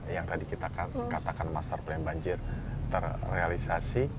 yang tadi kita katakan master plan banjir terrealisasi